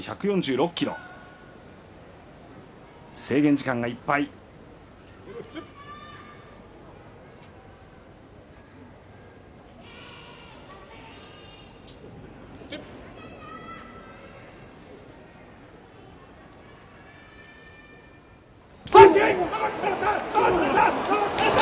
制限時間いっぱいです。